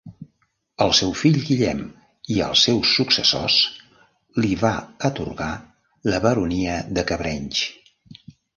Al seu fill Guillem i els seus successors li va atorgar la baronia de Cabrenys.